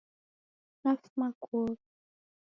Nafuma kuogha.